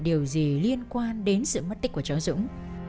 điều gì liên quan đến sự mất tích của chó dũng